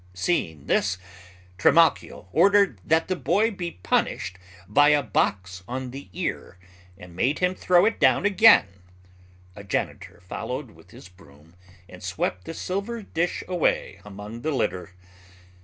Seeing this, Trimalchio ordered that the boy be punished by a box on the ear, and made him throw it down again; a janitor followed with his broom and swept the silver dish away among the litter.